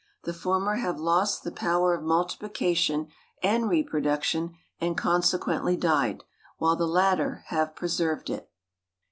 The former have lost the power of multiplication and reproduction, and consequently died, while the latter have preserved it.